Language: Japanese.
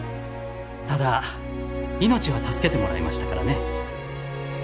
ただ命は助けてもらいましたからね。